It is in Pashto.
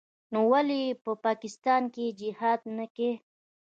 نو ولې په پاکستان کښې جهاد نه کيي.